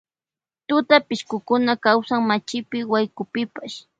Tutapishkukuna kawsan machipi waykupipash.